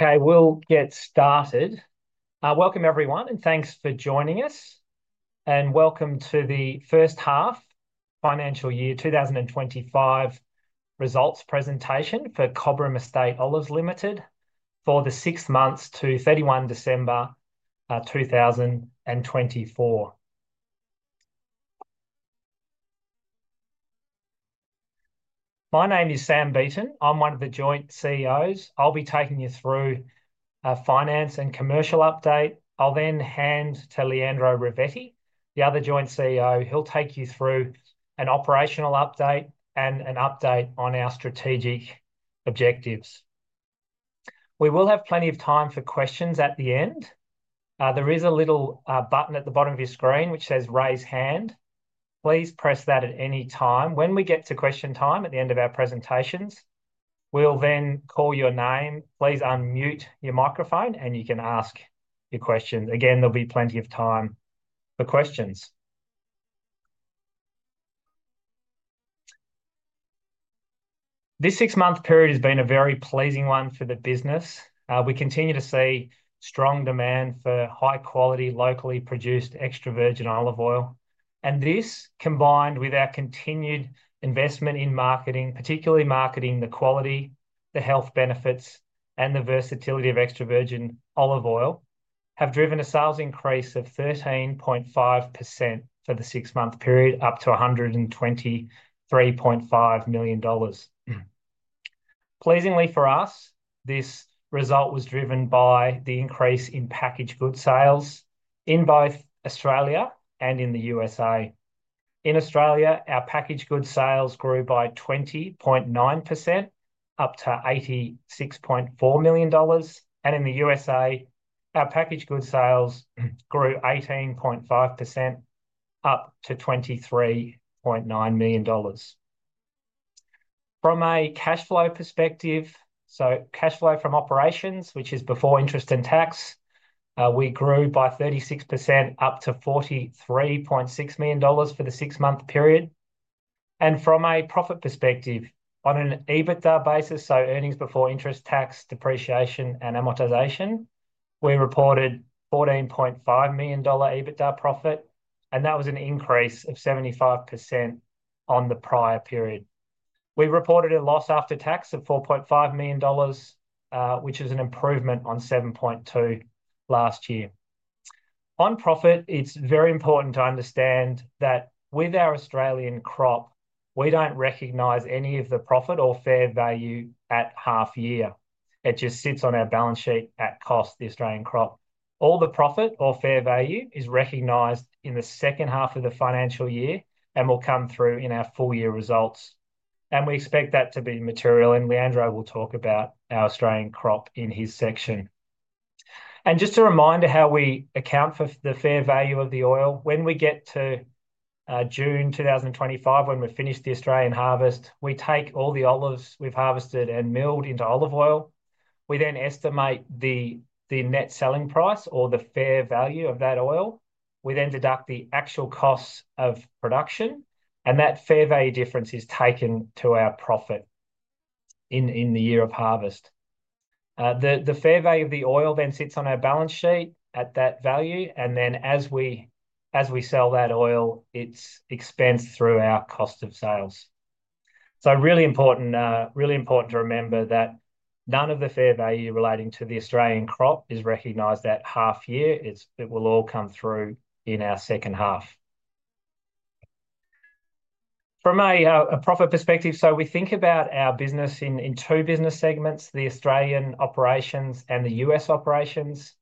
Okay, we'll get started. Welcome, everyone, and thanks for joining us. And welcome to the First Half Financial Year 2025 Results Presentation for Cobram Estate Olives Ltd. for the six months to 31 December 2024. My name is Sam Beaton. I'm one of the joint CEOs. I'll be taking you through a finance and commercial update. I'll then hand to Leandro Ravetti, the other joint CEO. He'll take you through an operational update and an update on our strategic objectives. We will have plenty of time for questions at the end. There is a little button at the bottom of your screen which says "Raise Hand." Please press that at any time. When we get to question time at the end of our presentations, we'll then call your name. Please unmute your microphone, and you can ask your questions. Again, there'll be plenty of time for questions. This six-month period has been a very pleasing one for the business. We continue to see strong demand for high-quality, locally produced extra virgin olive oil. And this, combined with our continued investment in marketing, particularly marketing the quality, the health benefits, and the versatility of extra virgin olive oil, have driven a sales increase of 13.5% for the six-month period, up to 123.5 million dollars. Pleasingly for us, this result was driven by the increase in packaged goods sales in both Australia and in the U.S.A. In Australia, our packaged goods sales grew by 20.9%, up to 86.4 million dollars. And in the U.S.A., our packaged goods sales grew 18.5%, up to 23.9 million dollars. From a cash flow perspective, so cash flow from operations, which is before interest and tax, we grew by 36%, up to 43.6 million dollars for the six-month period. From a profit perspective, on an EBITDA basis, so earnings before interest, tax, depreciation, and amortization, we reported 14.5 million dollar EBITDA profit, and that was an increase of 75% on the prior period. We reported a loss after tax of 4.5 million dollars, which is an improvement on 7.2 last year. On profit, it is very important to understand that with our Australian crop, we do not recognize any of the profit or fair value at half-year. It just sits on our balance sheet at cost, the Australian crop. All the profit or fair value is recognized in the second half of the financial year and will come through in our full-year results. We expect that to be material. Leandro will talk about our Australian crop in his section. Just a reminder how we account for the fair value of the oil. When we get to June 2025, when we finish the Australian harvest, we take all the olives we've harvested and milled into olive oil. We then estimate the net selling price or the fair value of that oil. We then deduct the actual costs of production, and that fair value difference is taken to our profit in the year of harvest. The fair value of the oil then sits on our balance sheet at that value, and then as we sell that oil, it's expensed through our cost of sales. So really important to remember that none of the fair value relating to the Australian crop is recognized at half-year. It will all come through in our second half. From a profit perspective, so we think about our business in two business segments, the Australian operations and the U.S. operations.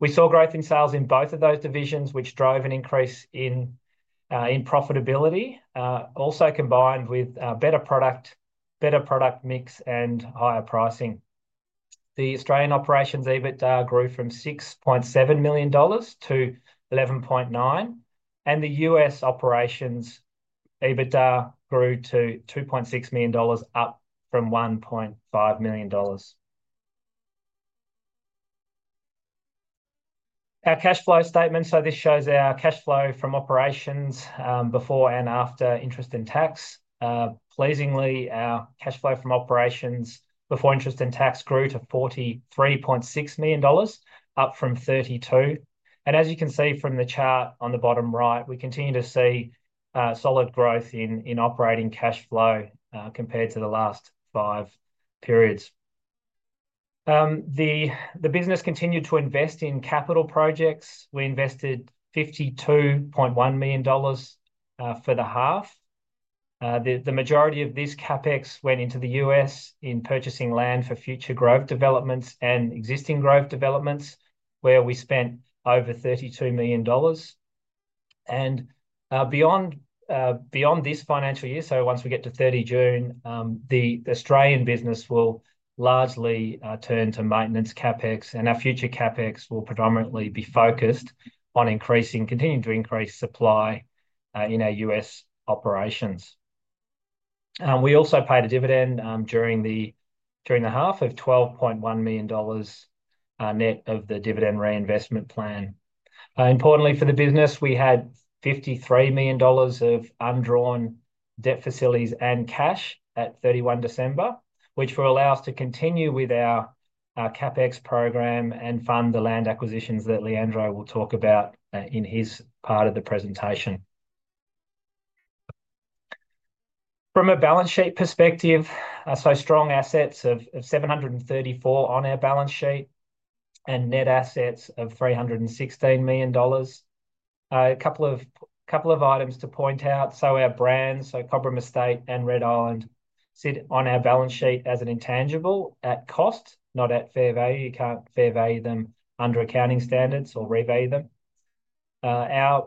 We saw growth in sales in both of those divisions, which drove an increase in profitability, also combined with better product, better product mix, and higher pricing. The Australian operations EBITDA grew from 6.7 million dollars to 11.9 million, and the U.S. operations EBITDA grew to 2.6 million dollars, up from 1.5 million dollars. Our cash flow statement, so this shows our cash flow from operations before and after interest and tax. Pleasingly, our cash flow from operations before interest and tax grew to 43.6 million dollars, up from $32. And as you can see from the chart on the bottom right, we continue to see solid growth in operating cash flow compared to the last five periods. The business continued to invest in capital projects. We invested 52.1 million dollars for the half. The majority of this CapEx went into the U.S. in purchasing land for future growth developments and existing growth developments, where we spent over 32 million dollars. Beyond this financial year, so once we get to 30 June, the Australian business will largely turn to maintenance CapEx, and our future CapEx will predominantly be focused on increasing, continuing to increase supply in our U.S. operations. We also paid a dividend during the half of 12.1 million dollars net of the dividend reinvestment plan. Importantly for the business, we had 53 million dollars of undrawn debt facilities and cash at 31 December, which will allow us to continue with our CapEx program and fund the land acquisitions that Leandro will talk about in his part of the presentation. From a balance sheet perspective, so strong assets of 734 on our balance sheet and net assets of 316 million dollars. A couple of items to point out. So our brands, so Cobram Estate and Red Island, sit on our balance sheet as an intangible at cost, not at fair value. You can't fair value them under accounting standards or revalue them. Our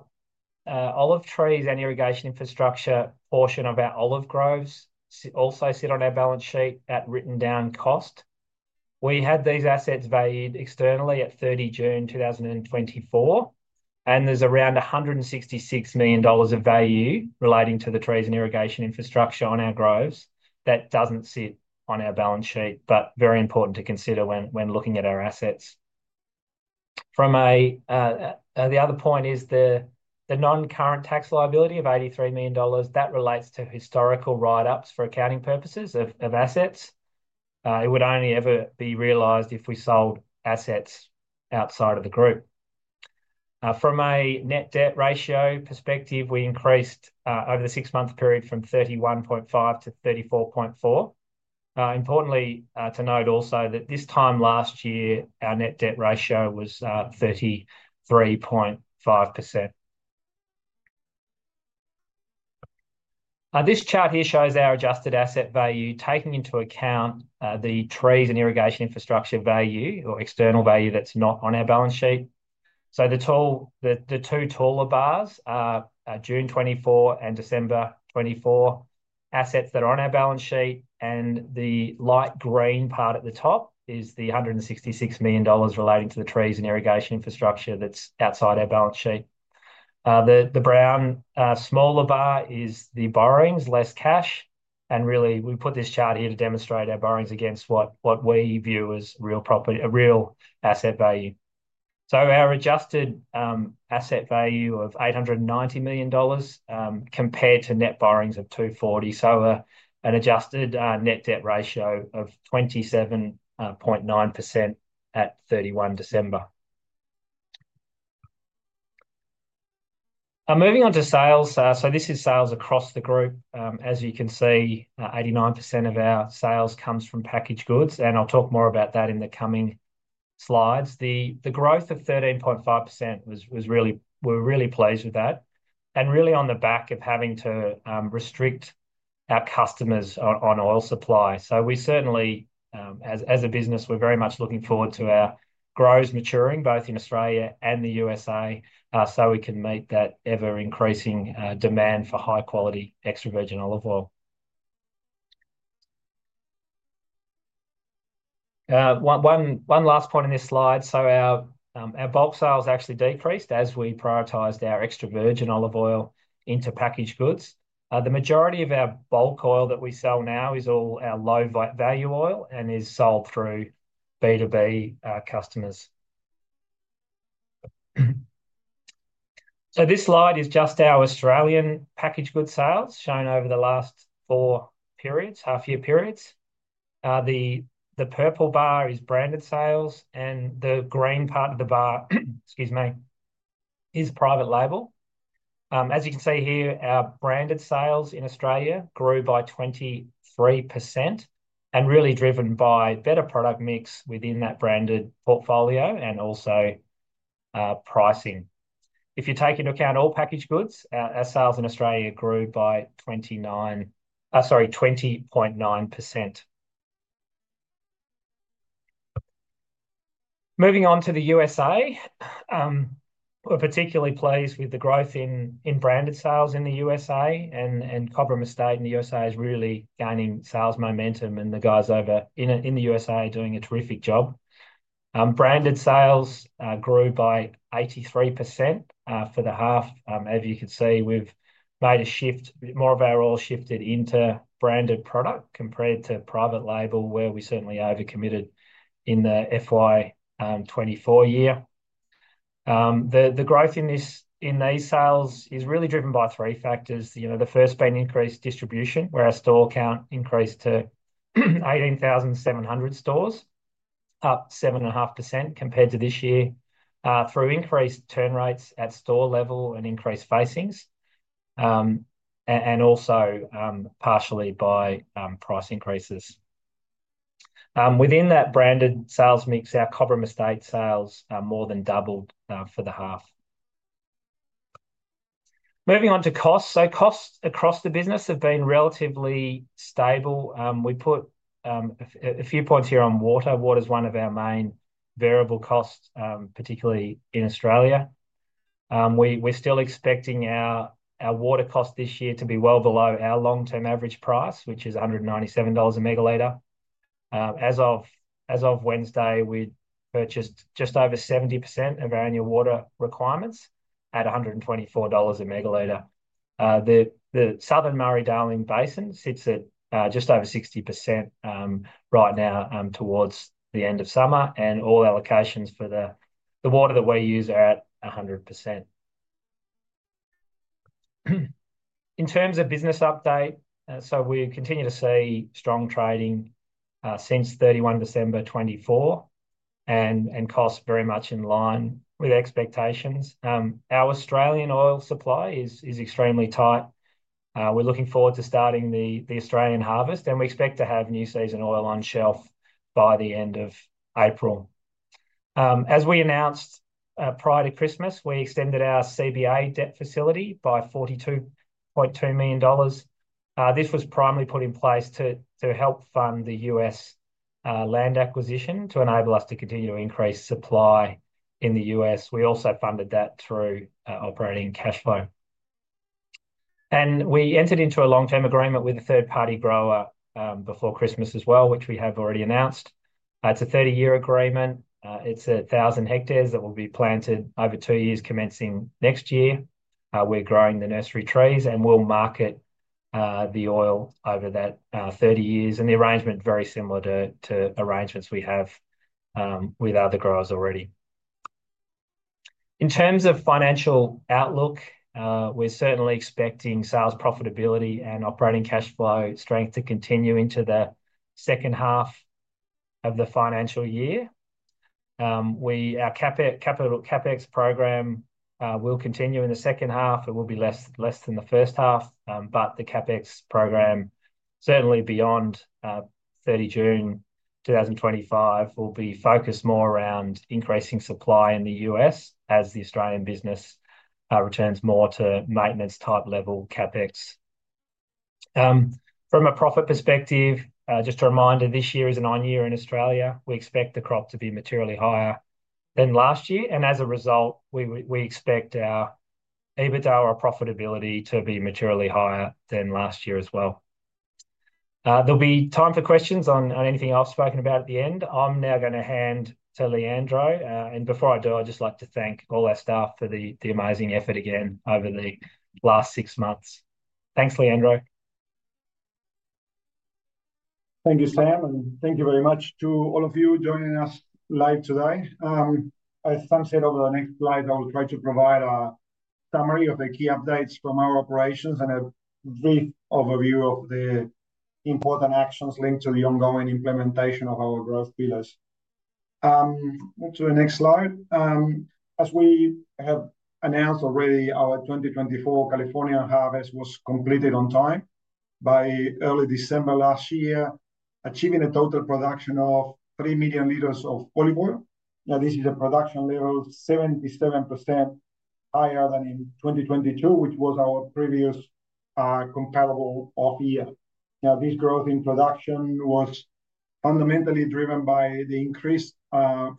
olive trees and irrigation infrastructure portion of our olive groves also sit on our balance sheet at written down cost. We had these assets valued externally at 30 June 2024, and there's around 166 million dollars of value relating to the trees and irrigation infrastructure on our groves that doesn't sit on our balance sheet, but very important to consider when looking at our assets. The other point is the non-current tax liability of 83 million dollars. That relates to historical write-ups for accounting purposes of assets. It would only ever be realized if we sold assets outside of the group. From a net debt ratio perspective, we increased over the six-month period from 31.5% to 34.4%. Importantly to note also that this time last year, our net debt ratio was 33.5%. This chart here shows our adjusted asset value taking into account the trees and irrigation infrastructure value or external value that's not on our balance sheet. So the two taller bars, June 2024 and December 2024, assets that are on our balance sheet, and the light green part at the top is the 166 million dollars relating to the trees and irrigation infrastructure that's outside our balance sheet. The brown smaller bar is the borrowings, less cash. And really, we put this chart here to demonstrate our borrowings against what we view as real asset value. So our adjusted asset value of $890 million compared to net borrowings of $240, so an adjusted net debt ratio of 27.9% at 31 December. Moving on to sales. So this is sales across the group. As you can see, 89% of our sales comes from packaged goods. And I'll talk more about that in the coming slides. The growth of 13.5% was really. We were really pleased with that, and really on the back of having to restrict our customers on oil supply, so we certainly, as a business, we're very much looking forward to our growth maturing both in Australia and the U.S.A so we can meet that ever-increasing demand for high-quality extra virgin olive oil. One last point in this slide, so our bulk sales actually decreased as we prioritized our extra virgin olive oil into packaged goods. The majority of our bulk oil that we sell now is all our low-value oil and is sold through B2B customers so this slide is just our Australian packaged goods sales shown over the last four periods, half-year periods. The purple bar is branded sales, and the green part of the bar, excuse me, is private label. As you can see here, our branded sales in Australia grew by 23% and really driven by better product mix within that branded portfolio and also pricing. If you take into account all packaged goods, our sales in Australia grew by 20.9%. Moving on to the U.S.A., we're particularly pleased with the growth in branded sales in the U.S.A., and Cobram Estate in the U.S.A. is really gaining sales momentum, and the guys over in the U.S.A. are doing a terrific job. Branded sales grew by 83% for the half. As you can see, we've made a shift. More of our oil shifted into branded product compared to private label, where we certainly overcommitted in the FY24 year. The growth in these sales is really driven by three factors. The first being increased distribution, where our store count increased to 18,700 stores, up 7.5% compared to this year through increased turn rates at store level and increased facings, and also partially by price increases. Within that branded sales mix, our Cobram Estate sales more than doubled for the half. Moving on to costs. So costs across the business have been relatively stable. We put a few points here on water. Water is one of our main variable costs, particularly in Australia. We're still expecting our water cost this year to be well below our long-term average price, which is 197 dollars a megalitre. As of Wednesday, we purchased just over 70% of our annual water requirements at 124 dollars a megalitre. The Southern Murray-Darling Basin sits at just over 60% right now towards the end of summer, and all allocations for the water that we use are at 100%. In terms of business update, so we continue to see strong trading since 31 December 2024 and costs very much in line with expectations. Our Australian oil supply is extremely tight. We're looking forward to starting the Australian harvest, and we expect to have new season oil on shelf by the end of April. As we announced prior to Christmas, we extended our CBA debt facility by 42.2 million dollars. This was primarily put in place to help fund the U.S. land acquisition to enable us to continue to increase supply in the U.S. We also funded that through operating cash flow. We entered into a long-term agreement with a third-party grower before Christmas as well, which we have already announced. It's a 30-year agreement. It's 1,000 hectares that will be planted over two years commencing next year. We're growing the nursery trees, and we'll market the oil over that 30 years. The arrangement is very similar to arrangements we have with other growers already. In terms of financial outlook, we're certainly expecting sales profitability and operating cash flow strength to continue into the second half of the financial year. Our CapEx program will continue in the second half. It will be less than the first half, but the CapEx program, certainly beyond 30 June 2025, will be focused more around increasing supply in the U.S. as the Australian business returns more to maintenance type level CapEx. From a profit perspective, just a reminder, this year is an on-year in Australia. We expect the crop to be materially higher than last year. As a result, we expect our EBITDA or profitability to be materially higher than last year as well. There'll be time for questions on anything I've spoken about at the end. I'm now going to hand to Leandro. Before I do, I'd just like to thank all our staff for the amazing effort again over the last six months. Thanks, Leandro. Thank you, Sam, and thank you very much to all of you joining us live today. As Sam said over the next slide, I will try to provide a summary of the key updates from our operations and a brief overview of the important actions linked to the ongoing implementation of our growth pillars. To the next slide. As we have announced already, our 2024 California harvest was completed on time by early December last year, achieving a total production of 3 million litres of olive oil. Now, this is a production level 77% higher than in 2022, which was our previous comparable off-year. Now, this growth in production was fundamentally driven by the increased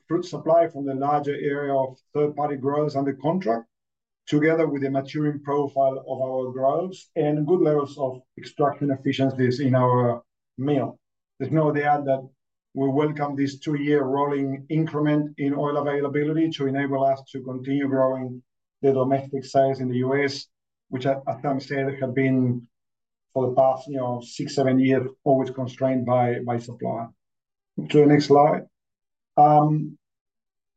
fruit supply from the larger area of third-party growers under contract, together with the maturing profile of our growers and good levels of extraction efficiencies in our mill. There's no doubt that we welcome this two-year rolling increment in oil availability to enable us to continue growing the domestic sales in the U.S., which, as Sam said, have been for the past six, seven years, always constrained by supply. To the next slide.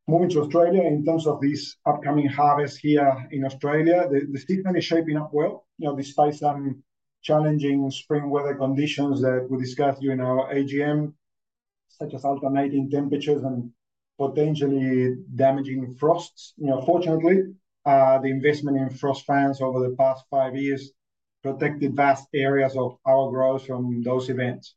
Moving to Australia, in terms of this upcoming harvest here in Australia, the season is shaping up well. Despite some challenging spring weather conditions that we discussed during our AGM, such as alternating temperatures and potentially damaging frosts, fortunately, the investment in frost fans over the past five years protected vast areas of our growers from those events.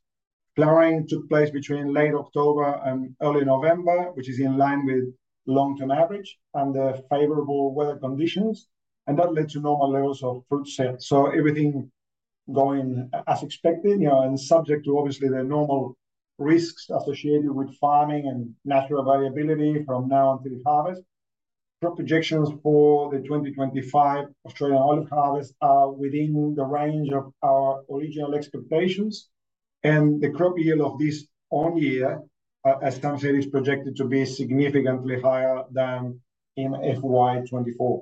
Flowering took place between late October and early November, which is in line with long-term average and the favorable weather conditions. And that led to normal levels of fruit sales. So everything is going as expected and subject to, obviously, the normal risks associated with farming and natural variability from now until the harvest. Crop projections for the 2025 Australian olive harvest are within the range of our original expectations. The crop yield of this on-year, as Sam said, is projected to be significantly higher than in FY24.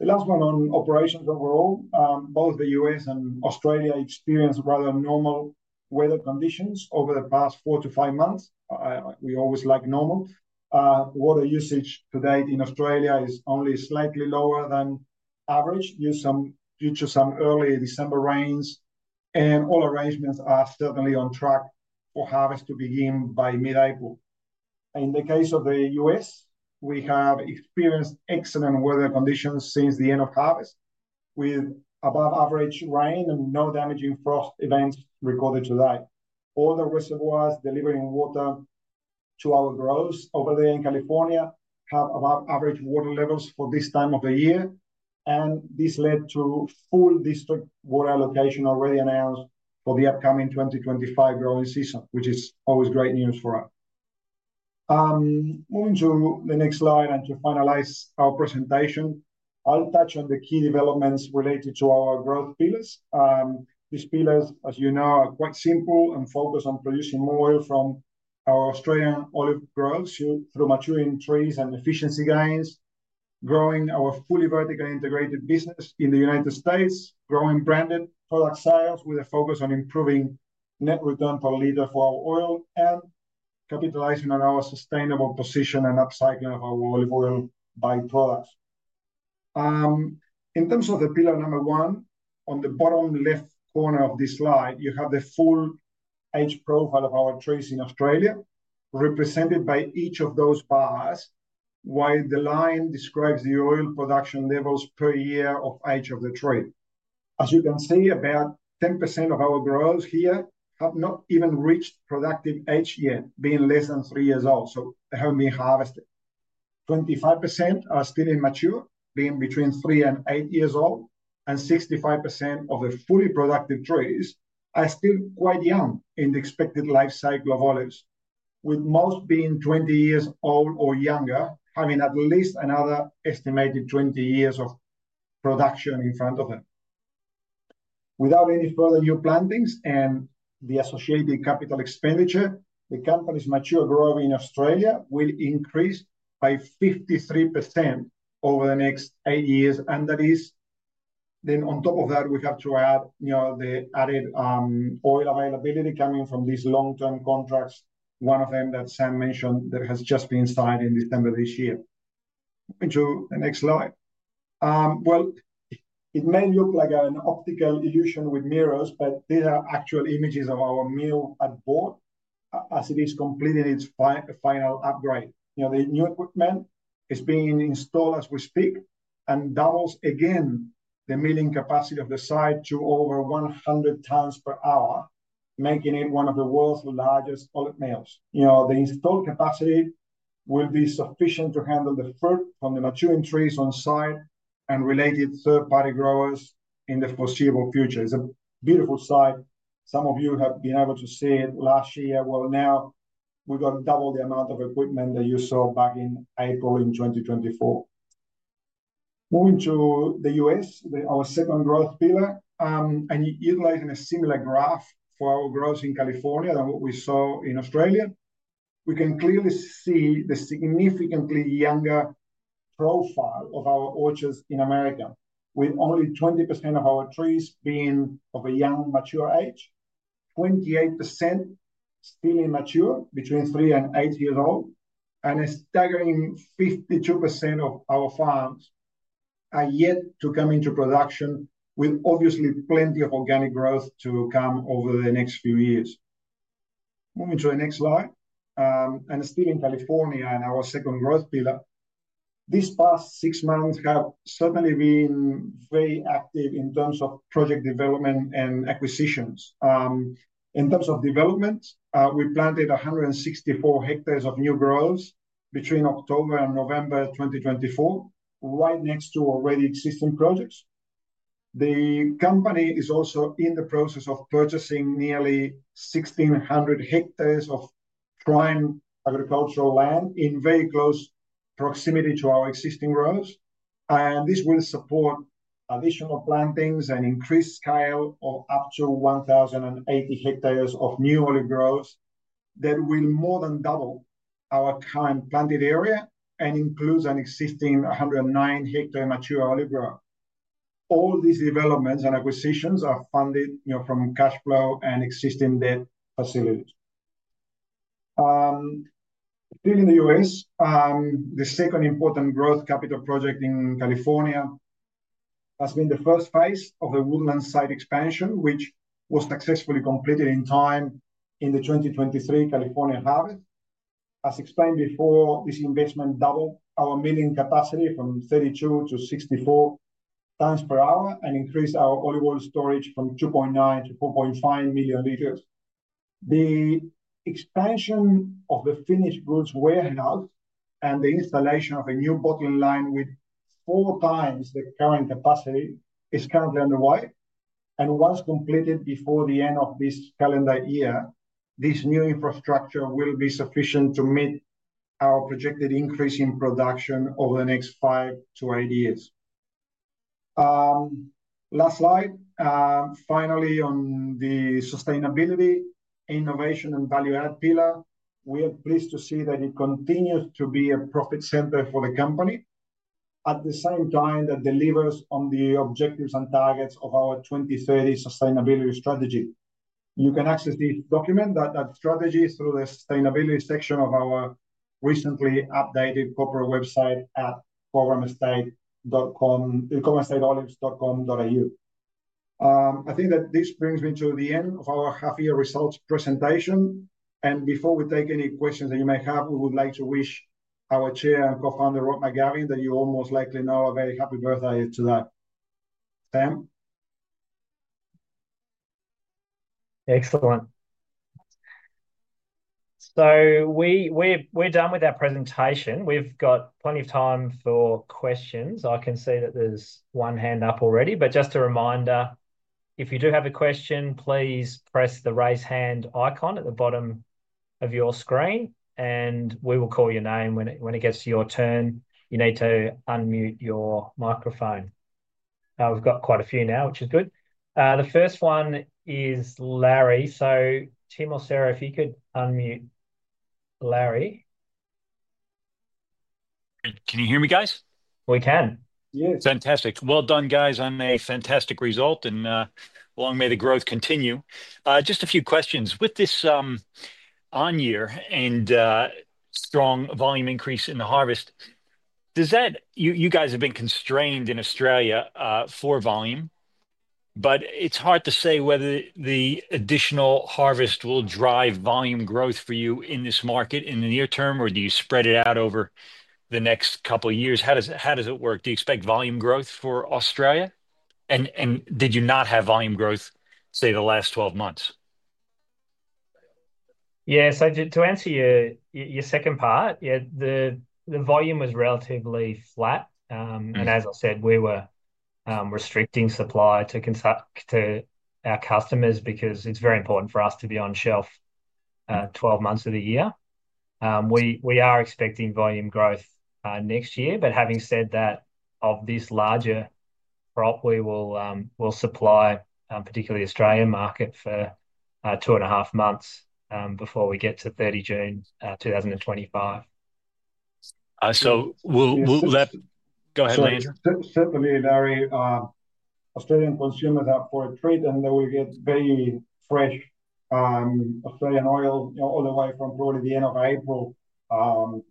The last one on operations overall, both the U.S. and Australia experienced rather normal weather conditions over the past four to five months. We always like normal. Water usage to date in Australia is only slightly lower than average due to some early December rains. All arrangements are certainly on track for harvest to begin by mid-April. In the case of the U.S., we have experienced excellent weather conditions since the end of harvest with above-average rain and no damaging frost events recorded to date. All the reservoirs delivering water to our growers over there in California have above-average water levels for this time of the year, and this led to full district water allocation already announced for the upcoming 2025 growing season, which is always great news for us. Moving to the next slide and to finalize our presentation, I'll touch on the key developments related to our growth pillars. These pillars, as you know, are quite simple and focus on producing more oil from our Australian olive growers through maturing trees and efficiency gains, growing our fully vertically integrated business in the United States, growing branded product sales with a focus on improving net return per litre for our oil, and capitalizing on our sustainable position and upcycling of our olive oil byproducts. In terms of the pillar number one, on the bottom left corner of this slide, you have the full age profile of our trees in Australia represented by each of those bars, while the line describes the oil production levels per year of age of the tree. As you can see, about 10% of our groves here have not even reached productive age yet, being less than three years old, so they haven't been harvested. 25% are still immature, being between three and eight years old, and 65% of the fully productive trees are still quite young in the expected life cycle of olives, with most being 20 years old or younger, having at least another estimated 20 years of production in front of them. Without any further new plantings and the associated capital expenditure, the company's mature growth in Australia will increase by 53% over the next eight years. That is then on top of that, we have to add the added oil availability coming from these long-term contracts, one of them that Sam mentioned that has just been signed in December this year. Moving to the next slide. Well, it may look like an optical illusion with mirrors, but these are actual images of our mill at Boort as it is completing its final upgrade. The new equipment is being installed as we speak and doubles again the milling capacity of the site to over 100 tons per hour, making it one of the world's largest olive mills. The installed capacity will be sufficient to handle the fruit from the maturing trees on site and related third-party growers in the foreseeable future. It is a beautiful site. Some of you have been able to see it last year. Now we've got double the amount of equipment that you saw back in April in 2024. Moving to the U.S., our second growth pillar, and utilizing a similar graph for our growers in California than what we saw in Australia, we can clearly see the significantly younger profile of our orchards in America, with only 20% of our trees being of a young mature age, 28% still immature between three and eight years old, and a staggering 52% of our farms are yet to come into production with obviously plenty of organic growth to come over the next few years. Moving to the next slide. Still in California and our second growth pillar, these past six months have certainly been very active in terms of project development and acquisitions. In terms of development, we planted 164 hectares of new groves between October and November 2024, right next to already existing projects. The company is also in the process of purchasing nearly 1,600 hectares of prime agricultural land in very close proximity to our existing groves., and this will support additional plantings and increase scale of up to 1,080 hectares of new olive groves that will more than double our current planted area and includes an existing 109-hectare mature olive grove. All these developments and acquisitions are funded from cash flow and existing debt facilities. Still in the U.S., the second important growth capital project in California has been the first phase of the Woodland site expansion, which was successfully completed in time in the 2023 California harvest. As explained before, this investment doubled our milling capacity from 32-64 tons per hour and increased our olive oil storage from 2.9-4.5 million litres. The expansion of the finished goods warehouse and the installation of a new bottling line with four times the current capacity is currently underway, and once completed before the end of this calendar year, this new infrastructure will be sufficient to meet our projected increase in production over the next 5-8 years. Last slide. Finally, on the sustainability, innovation, and value-add pillar, we are pleased to see that it continues to be a profit centre for the company at the same time that delivers on the objectives and targets of our 2030 sustainability strategy. You can access this document, that strategy, through the sustainability section of our recently updated corporate website at cobramestate.com, cobramestateolives.com.au. I think that this brings me to the end of our half-year results presentation. Before we take any questions that you may have, we would like to wish our Chair and Co-founder, Rob McGavin, as you all most likely know, a very happy birthday to him. Sam? Excellent. So we're done with our presentation. We've got plenty of time for questions. I can see that there's one hand up already. But just a reminder, if you do have a question, please press the raise hand icon at the bottom of your screen, and we will call your name when it gets to your turn. You need to unmute your microphone. We've got quite a few now, which is good. The first one is Larry. So Tim or Sarah, if you could unmute Larry. Can you hear me, guys? We can. Yes. Fantastic. Well done, guys. And a fantastic result. And long may the growth continue. Just a few questions. With this on-year and strong volume increase in the harvest, you guys have been constrained in Australia for volume, but it's hard to say whether the additional harvest will drive volume growth for you in this market in the near term, or do you spread it out over the next couple of years? How does it work? Do you expect volume growth for Australia? And did you not have volume growth, say, the last 12 months? Yes. To answer your second part, the volume was relatively flat. And as I said, we were restricting supply to our customers because it's very important for us to be on shelf 12 months of the year. We are expecting volume growth next year. But having said that, of this larger crop, we will supply particularly the Australian market for two and a half months before we get to 30 June 2025. We'll let go ahead, Leandro. Certainly, Larry, Australian consumers are in for a treat, and they will get very fresh Australian oil all the way from probably the end of April,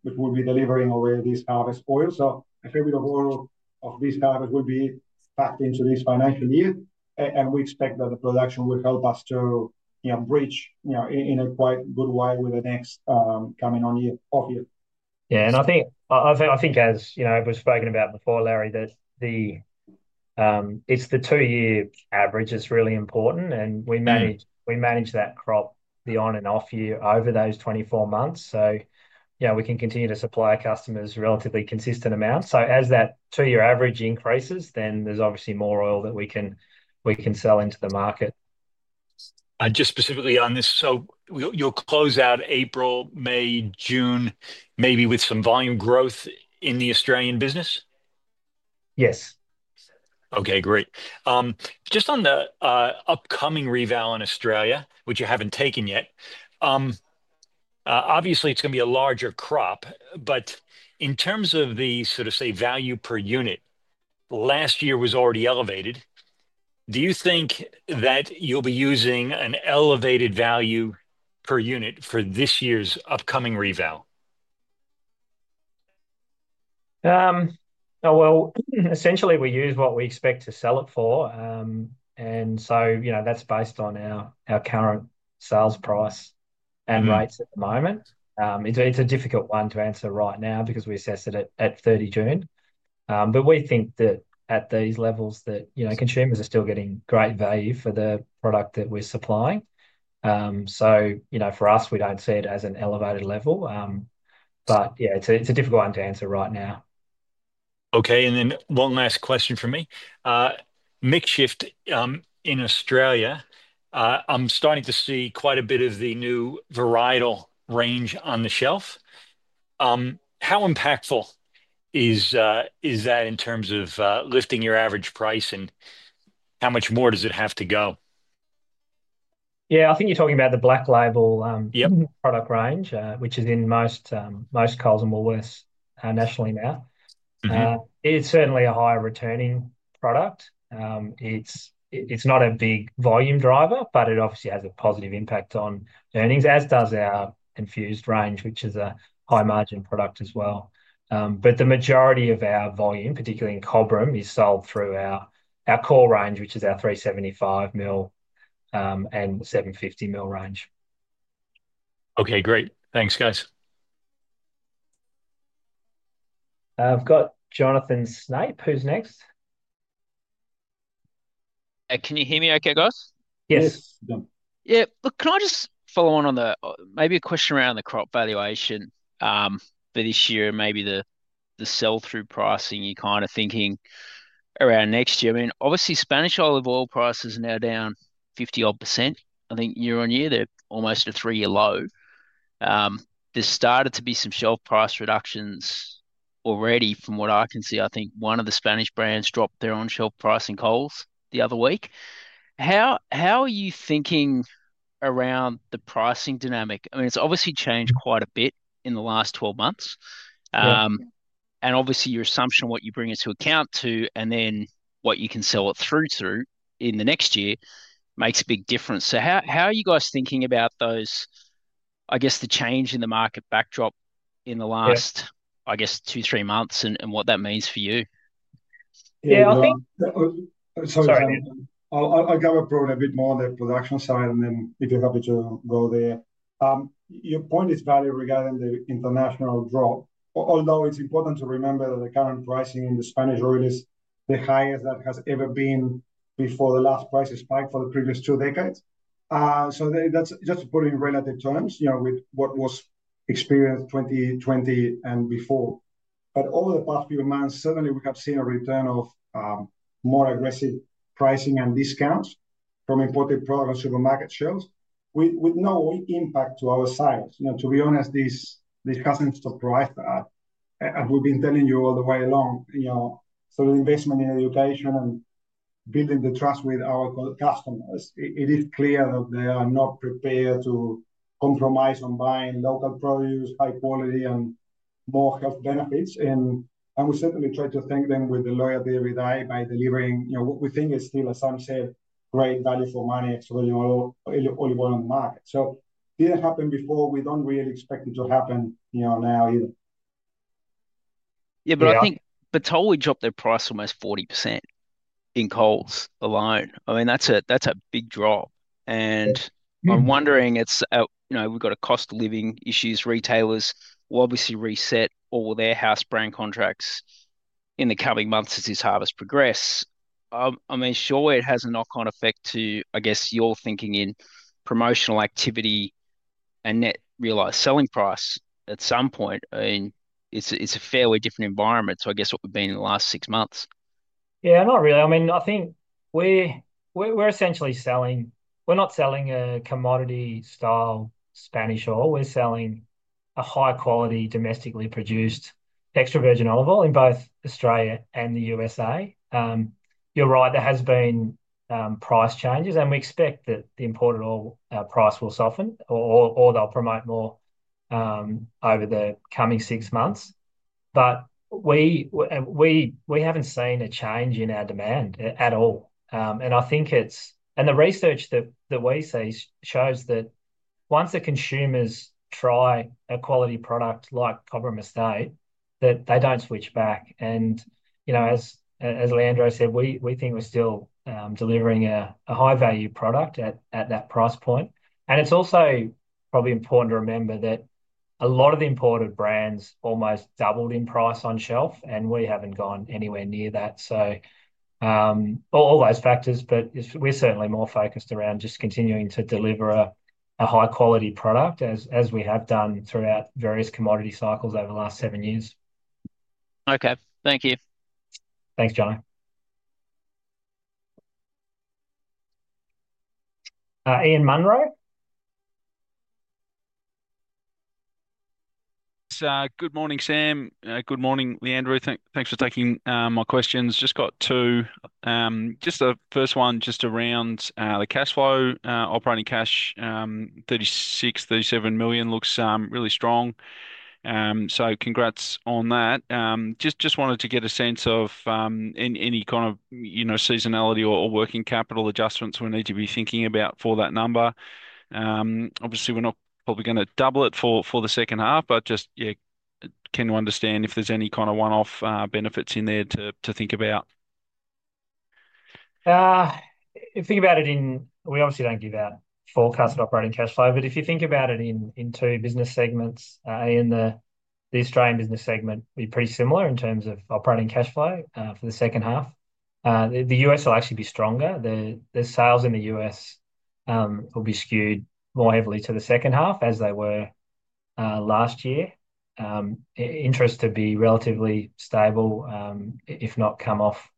which will be delivering already this harvest oil. So a fair bit of oil of this harvest will be packed into this financial year, and we expect that the production will help us to bridge in a quite good way with the next coming on-year off-year. Yeah. And I think, as we've spoken about before, Larry, it's the two-year average that's really important. And we manage that crop the on- and off-year over those 24 months. So we can continue to supply our customers relatively consistent amounts. So as that two-year average increases, then there's obviously more oil that we can sell into the market. Just specifically on this, so you'll close out April, May, June, maybe with some volume growth in the Australian business? Yes. Okay. Great. Just on the upcoming revalue in Australia, which you haven't taken yet, obviously, it's going to be a larger crop. But in terms of the sort of, say, value per unit, last year was already elevated. Do you think that you'll be using an elevated value per unit for this year's upcoming revalue? Essentially, we use what we expect to sell it for. That's based on our current sales price and rates at the moment. It's a difficult one to answer right now because we assessed it at 30 June. We think that at these levels, consumers are still getting great value for the product that we're supplying. For us, we don't see it as an elevated level. Yeah, it's a difficult one to answer right now. Okay, and then one last question for me. Mixed shift in Australia, I'm starting to see quite a bit of the new varietal range on the shelf. How impactful is that in terms of lifting your average price? And how much more does it have to go? Yeah. I think you're talking about the Black Label product range, which is in most Coles and Woolworths nationally now. It's certainly a higher returning product. It's not a big volume driver, but it obviously has a positive impact on earnings, as does our infused range, which is a high-margin product as well. But the majority of our volume, particularly in Cobram, is sold through our core range, which is our 375 ml and 750 ml range. Okay. Great. Thanks, guys. I've got Jonathan Snape. Who's next? Can you hear me okay, guys? Yes. Yeah. Look, can I just follow on the maybe a question around the crop valuation for this year and maybe the sell-through pricing you're kind of thinking around next year? I mean, obviously, Spanish olive oil prices are now down 50-odd%, I think, year on year. They're almost at a three-year low. There started to be some shelf price reductions already from what I can see. I think one of the Spanish brands dropped their on-shelf price in Coles the other week. How are you thinking around the pricing dynamic? I mean, it's obviously changed quite a bit in the last 12 months. And obviously, your assumption of what you bring into account to and then what you can sell it through to in the next year makes a big difference. So how are you guys thinking about those, I guess, the change in the market backdrop in the last, I guess, two, three months and what that means for you? Yeah. I think. Sorry, Leandro. I'll elaborate a bit more on the production side, and then if you're happy to go there. Your point is valid regarding the international drop, although it's important to remember that the current pricing in the Spanish oil is the highest that has ever been before the last price spike for the previous two decades. So that's just to put it in relative terms with what was experienced 2020 and before. But over the past few months, certainly, we have seen a return of more aggressive pricing and discounts from imported products on supermarket shelves with no impact to our sales. To be honest, this hasn't surprised us. And we've been telling you all the way along, sort of investment in education and building the trust with our customers. It is clear that they are not prepared to compromise on buying local produce, high quality, and more health benefits. And we certainly try to thank them with the loyalty every day by delivering what we think is still, as Sam said, great value for money olive oil on the market. So did it happen before? We don't really expect it to happen now either. Yeah. But I think Bertolli dropped their price almost 40% in Coles alone. I mean, that's a big drop. And I'm wondering, we've got cost-of-living issues. Retailers will obviously reset all their house brand contracts in the coming months as this harvest progresses. I mean, sure, it has a knock-on effect to, I guess, your thinking in promotional activity and net realized selling price at some point. I mean, it's a fairly different environment, so I guess what we've been in the last six months. Yeah, not really. I mean, I think we're essentially selling. We're not selling a commodity-style Spanish oil. We're selling a high-quality, domestically produced extra virgin olive oil in both Australia and the U.S.A. You're right. There has been price changes. And we expect that the imported oil price will soften or they'll promote more over the coming six months. But we haven't seen a change in our demand at all. And I think the research that we see shows that once the consumers try a quality product like Cobram Estate, that they don't switch back. And as Leandro said, we think we're still delivering a high-value product at that price point. And it's also probably important to remember that a lot of the imported brands almost doubled in price on shelf, and we haven't gone anywhere near that. So all those factors, but we're certainly more focused around just continuing to deliver a high-quality product as we have done throughout various commodity cycles over the last seven years. Okay. Thank you. Thanks, John. Ian Munro. Good morning, Sam. Good morning, Leandro. Thanks for taking my questions. Just got two. Just the first one, just around the cash flow, operating cash, 36-37 million looks really strong. So congrats on that. Just wanted to get a sense of any kind of seasonality or working capital adjustments we need to be thinking about for that number. Obviously, we're not probably going to double it for the second half, but just, yeah, can you understand if there's any kind of one-off benefits in there to think about? If you think about it, we obviously don't give out forecasted operating cash flow, but if you think about it in two business segments, in the Australian business segment, we're pretty similar in terms of operating cash flow for the second half. The U.S. will actually be stronger. The sales in the U.S. will be skewed more heavily to the second half as they were last year. Interest to be relatively stable, if not come off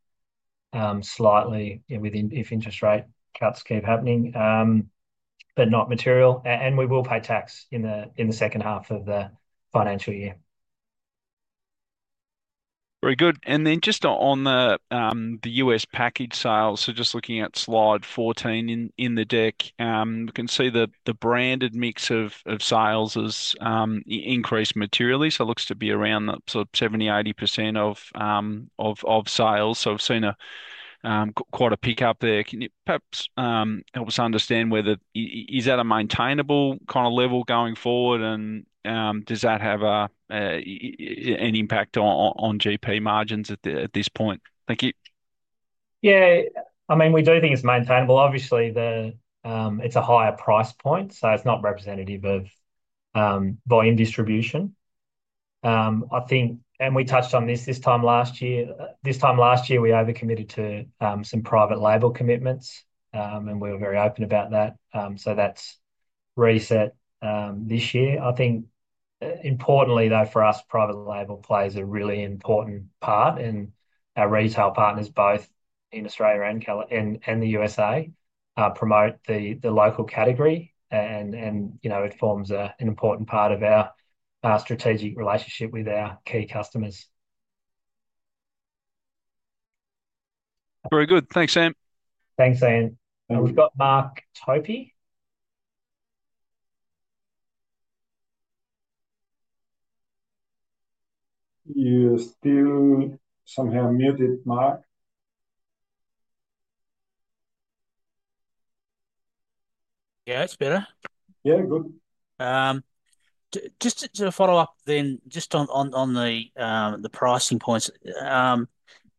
slightly if interest rate cuts keep happening, but not material, and we will pay tax in the second half of the financial year. Very good. And then just on the U.S. package sales, so just looking at slide 14 in the deck, we can see the branded mix of sales has increased materially. So it looks to be around sort of 70%-80% of sales. So we've seen quite a pickup there. Can you perhaps help us understand whether is that a maintainable kind of level going forward, and does that have an impact on GP margins at this point? Thank you. Yeah. I mean, we do think it's maintainable. Obviously, it's a higher price point, so it's not representative of volume distribution. I think, and we touched on this this time last year, this time last year, we overcommitted to some private label commitments, and we were very open about that. So that's reset this year. I think, importantly, though, for us, private label plays a really important part, and our retail partners, both in Australia and the U.S.A, promote the local category, and it forms an important part of our strategic relationship with our key customers. Very good. Thanks, Sam. Thanks, Ian. We've got Mark Tobin. You're still somehow muted, Marc. Yeah, it's better. Yeah, good. Just to follow up then, just on the pricing points,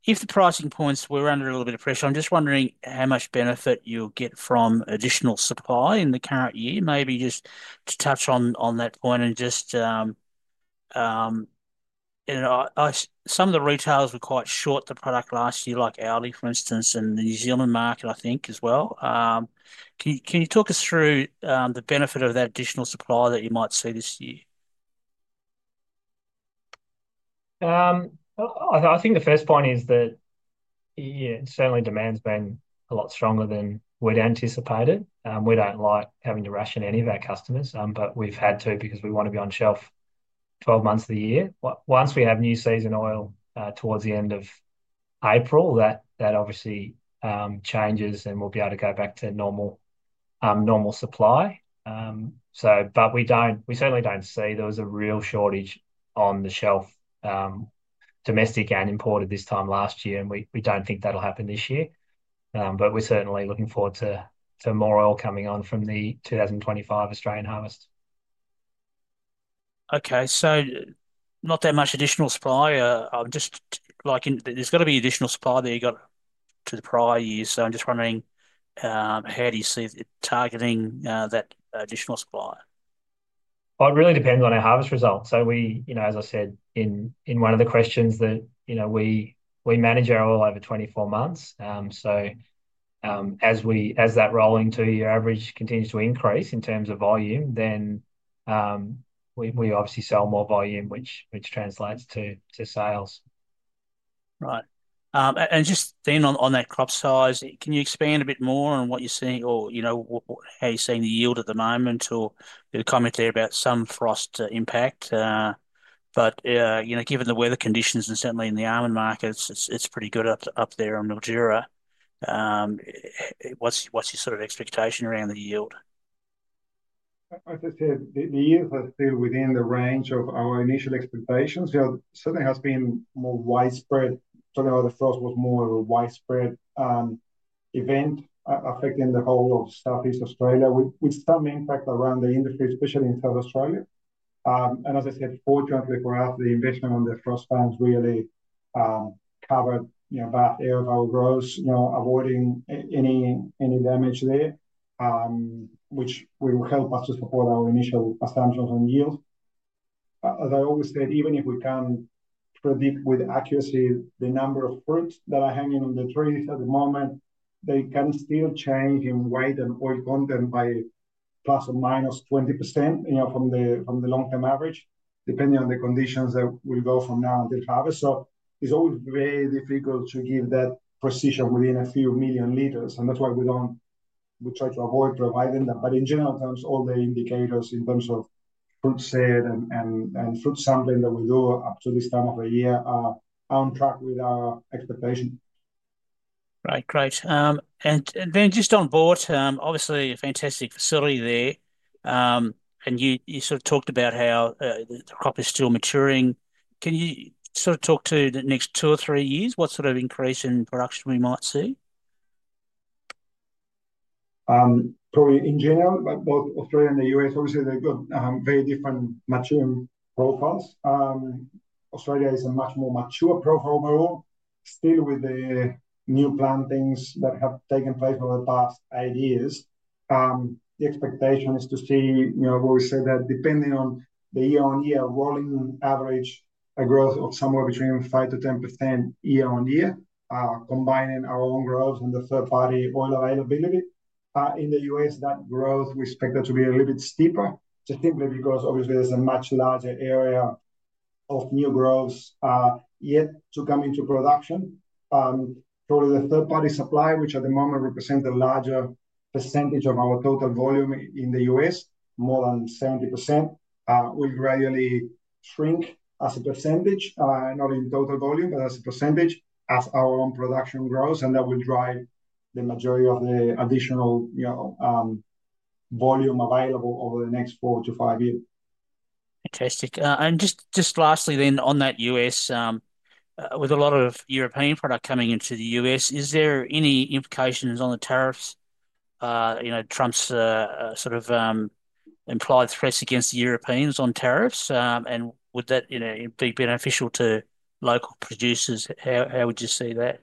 if the pricing points were under a little bit of pressure, I'm just wondering how much benefit you'll get from additional supply in the current year, maybe just to touch on that point, and some of the retailers were quite short the product last year, like Aldi, for instance, and the New Zealand market, I think, as well. Can you talk us through the benefit of that additional supply that you might see this year? I think the first point is that, yeah, certainly, demand's been a lot stronger than we'd anticipated. We don't like having to ration any of our customers, but we've had to because we want to be on shelf 12 months of the year. Once we have new season oil towards the end of April, that obviously changes, and we'll be able to go back to normal supply. But we certainly don't see there was a real shortage on the shelf, domestic and imported this time last year. And we don't think that'll happen this year. But we're certainly looking forward to more oil coming on from the 2025 Australian harvest. Okay. Not that much additional supply. I'm just thinking there's got to be additional supply that you got to the prior year. So I'm just wondering, how do you see targeting that additional supply? It really depends on our harvest results. As I said in one of the questions, we manage our oil over 24 months. As that rolling two-year average continues to increase in terms of volume, then we obviously sell more volume, which translates to sales. Right. And just then on that crop size, can you expand a bit more on what you're seeing or how you're seeing the yield at the moment or comment there about some frost impact? But given the weather conditions and certainly in the almond markets, it's pretty good up there in the Riverina. What's your sort of expectation around the yield? As I said, the yields are still within the range of our initial expectations. There certainly has been more widespread sort of the frost was more of a widespread event affecting the whole of Southeast Australia with some impact around the industry, especially in South Australia, and as I said, fortunately, for us, the investment on the frost fans really covered that area of our groves, avoiding any damage there, which will help us to support our initial assumptions on yields. As I always said, even if we can't predict with accuracy the number of fruits that are hanging on the trees at the moment, they can still change in weight and oil content by plus or minus 20% from the long-term average, depending on the conditions that will go from now until harvest, so it's always very difficult to give that precision within a few million litres. And that's why we try to avoid providing that. But in general, all the indicators in terms of fruit set and fruit sampling that we do up to this time of the year are on track with our expectation. Right. Great. And then just on Boort, obviously, a fantastic facility there. And you sort of talked about how the crop is still maturing. Can you sort of talk to the next two or three years? What sort of increase in production we might see? Probably in general, both Australia and the U.S., obviously, they've got very different maturing profiles. Australia is a much more mature profile model, still with the new plantings that have taken place over the past eight years. The expectation is to see what we said that depending on the year-on-year rolling average, a growth of somewhere between 5%-10% year-on-year, combining our own growth and the third-party oil availability. In the U.S., that growth we expect that to be a little bit steeper just simply because, obviously, there's a much larger area of new growth yet to come into production. Probably the third-party supply, which at the moment represents a larger percentage of our total volume in the U.S., more than 70%, will gradually shrink as a percentage, not in total volume, but as a percentage as our own production grows. That will drive the majority of the additional volume available over the next four to five years. Fantastic. And just lastly, then on that U.S., with a lot of European product coming into the U.S., is there any implications on the tariffs? Trump's sort of implied threats against the Europeans on tariffs. And would that be beneficial to local producers? How would you see that?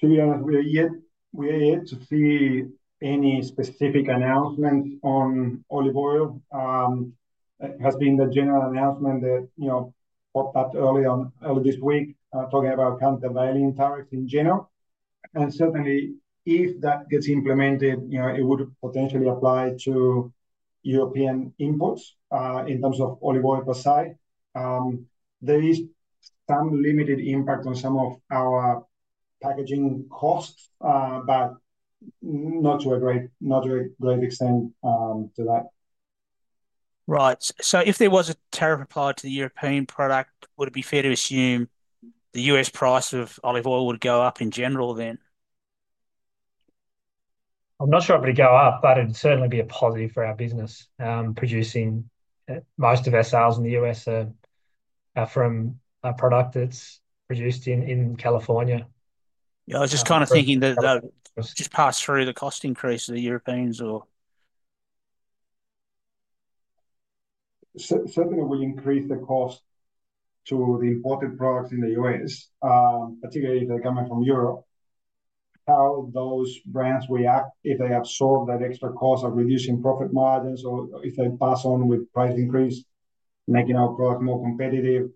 To be honest, we're yet to see any specific announcements on olive oil. It has been the general announcement that popped up early on early this week, talking about countervailing tariffs in general. And certainly, if that gets implemented, it would potentially apply to European imports in terms of olive oil per se. There is some limited impact on some of our packaging costs, but not to a great extent to that. Right, so if there was a tariff applied to the European product, would it be fair to assume the U.S. price of olive oil would go up in general then? I'm not sure it would go up, but it'd certainly be a positive for our business. Most of our sales in the U.S. are from a product that's produced in California. Yeah. I was just kind of thinking that just pass through the cost increase of the Europeans or. Certainly, we increase the cost to the imported products in the U.S., particularly if they're coming from Europe, how those brands react if they absorb that extra cost of reducing profit margins or if they pass on with price increase, making our product more competitive.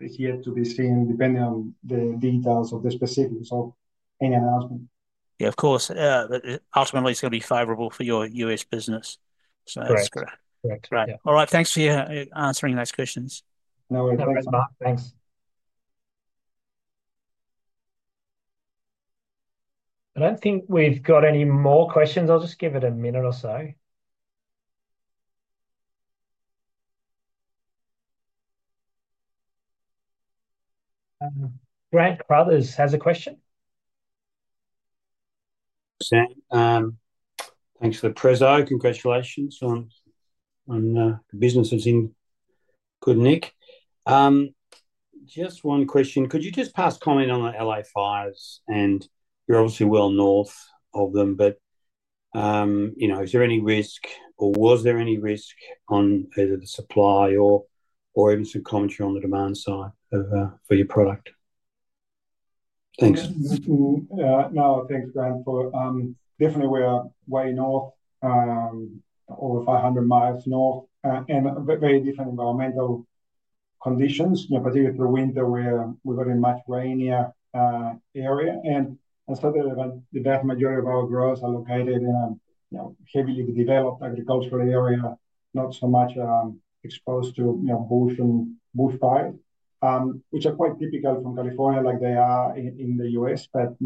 It's yet to be seen, depending on the details of the specifics of any announcement. Yeah, of course. Ultimately, it's going to be favorable for your U.S. business. So that's correct. Correct. Right. All right. Thanks for answering those questions. No worries. Thanks, Mark. Thanks. I don't think we've got any more questions. I'll just give it a minute or so. Grant Brothers has a question. Sam. Thanks for the presentation. Congratulations on the business is in good nick. Just one question. Could you just pass comment on the L.A. fires? And you're obviously well north of them, but is there any risk or was there any risk on either the supply or even some commentary on the demand side for your product? Thanks. No, thanks, Grant. Definitely, we are way north, over 500 miles north, and very different environmental conditions, particularly through winter where we're very much rainier area. And certainly, the vast majority of our growers are located in a heavily developed agricultural area, not so much exposed to bushfires, which are quite typical from California like they are in the U.S., but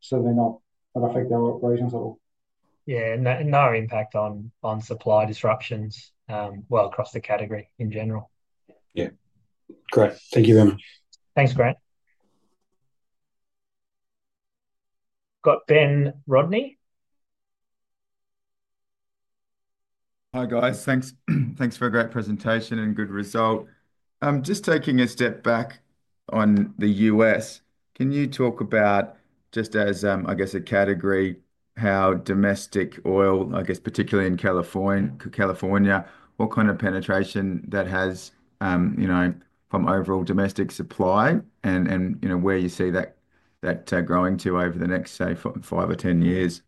certainly not affect our operations at all. Yeah. No impact on supply disruptions, well, across the category in general. Yeah. Great. Thank you very much. Thanks, Grant. Got Ben Rodney. Hi, guys. Thanks for a great presentation and good result. Just taking a step back on the U.S., can you talk about, just as I guess a category, how domestic oil, I guess, particularly in California, what kind of penetration that has from overall domestic supply and where you see that growing to over the next, say, five or 10 years?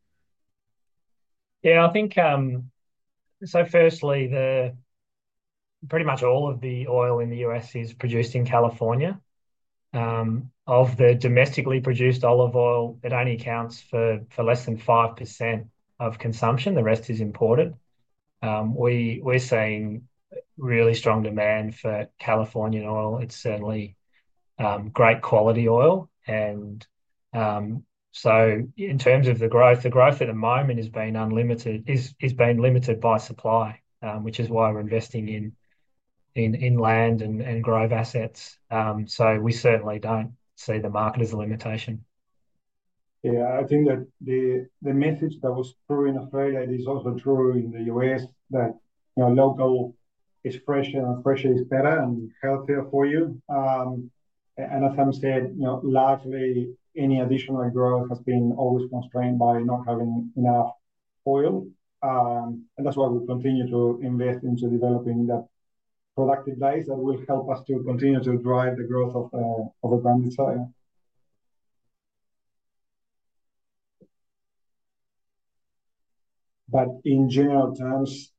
Yeah, so firstly, pretty much all of the oil in the U.S. is produced in California. Of the domestically produced olive oil, it only accounts for less than five% of consumption. The rest is imported. We're seeing really strong demand for Californian oil. It's certainly great quality oil, and so in terms of the growth, the growth at the moment has been unlimited by supply, which is why we're investing in land and grove assets, so we certainly don't see the market as a limitation. Yeah. I think that the message that was true in Australia is also true in the U.S., that local expression and fresh is better and healthier for you. And as Sam said, largely, any additional growth has been always constrained by not having enough oil. And that's why we continue to invest into developing that productive base that will help us to continue to drive the growth of the brand itself. But in general terms,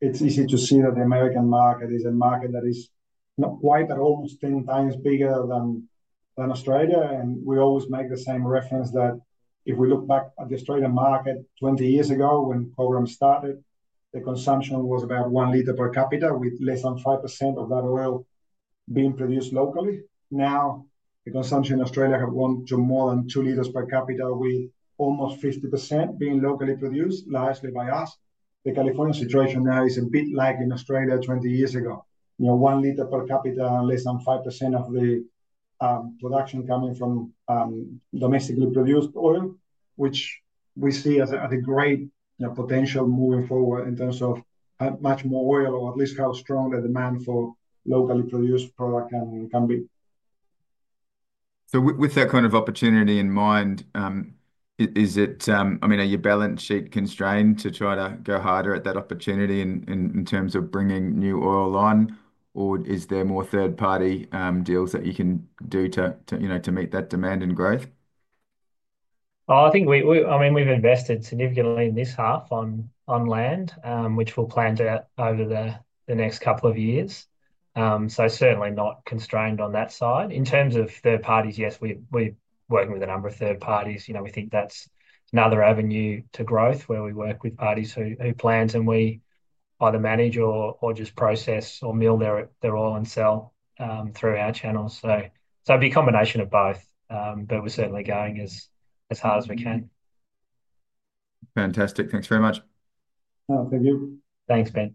it's easy to see that the American market is a market that is not quite at almost 10 times bigger than Australia. And we always make the same reference that if we look back at the Australian market 20 years ago when programs started, the consumption was about one litre per capita with less than 5% of that oil being produced locally. Now, the consumption in Australia has gone to more than two litres per capita with almost 50% being locally produced, largely by us. The California situation now is a bit like in Australia 20 years ago. One litre per capita and less than 5% of the production coming from domestically produced oil, which we see as a great potential moving forward in terms of much more oil or at least how strong the demand for locally produced product can be. So with that kind of opportunity in mind, is it, I mean, are your balance sheet constrained to try to go harder at that opportunity in terms of bringing new oil on? Or is there more third-party deals that you can do to meet that demand and growth? I think, I mean, we've invested significantly in this half on land, which we'll plan to do over the next couple of years. So certainly not constrained on that side. In terms of third parties, yes, we're working with a number of third parties. We think that's another avenue to growth where we work with parties who plan, and we either manage or just process or mill their oil and sell through our channels. So it'd be a combination of both, but we're certainly going as hard as we can. Fantastic. Thanks very much. Thank you. Thanks, Ben.